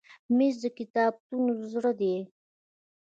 مېز د کتابتون زړه دی.